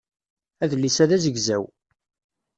Adlis-a d azegzaw.